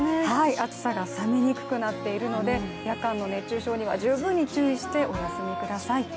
暑さが冷めにくくなっているので、夜間の熱中症には十分に注意してお休みください。